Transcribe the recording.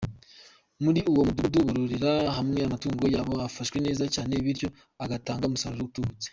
Muri uwo mudugudu bororera hamwe, amatungo yabo afashwe neza cyane bityo agatanga umusaruro utubutse.